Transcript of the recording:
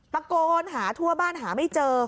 ตะโกนหาทั่วบ้านหาไม่เจอ